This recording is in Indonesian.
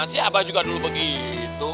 si abah juga dulu begitu